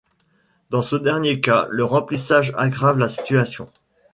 Dans ce dernier cas, le remplissage aggrave la situation.